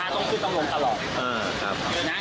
ลูกค้าต้องคุยกังลงตลอดนะ